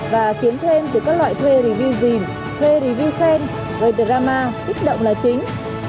và kiếm thêm từ các loại thuê review dìm thuê review khen gợi drama tích động là chính